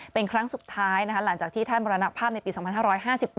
เป็นครั้งสุดท้ายหลังจากที่ท่านมรณภาพในปี๒๕๕๘